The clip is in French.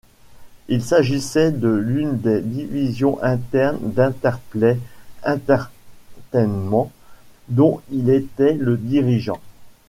Il s'agissait de l'une des divisions internes d'Interplay Entertainment dont il était le dirigeant.